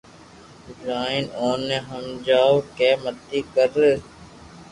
جائين اوني ھمجاوُ ڪي متي ڪر